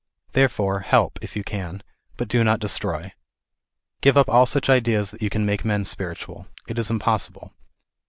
Therefore help, if you can, but do not destroy. Give up all such ideas that you can make men spiritual. It is impossible.